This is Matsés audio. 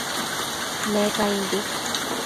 Ne caimbi